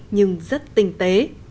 nhưng rất tinh tế